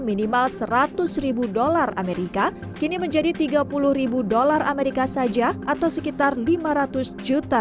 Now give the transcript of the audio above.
minimal seratus dollar amerika kini menjadi tiga puluh dollar amerika saja atau sekitar lima ratus juta